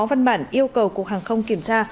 văn bản yêu cầu cục hàng không kiểm tra